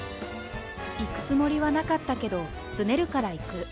行くつもりはなかったけど、すねるから行く。